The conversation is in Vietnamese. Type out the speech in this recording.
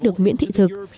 được miễn thị thực